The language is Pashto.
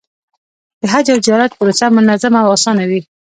د حج او زیارت پروسه منظمه او اسانه وي.